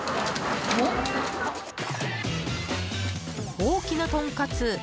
大きなとんかつ。